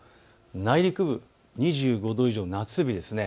内陸部２５度以上、夏日です。